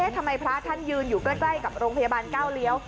ทำไมพระท่านยืนอยู่ใกล้กับโรงพยาบาลก้าวเลี้ยว